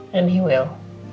dan dia akan